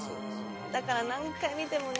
だから何回見てもね。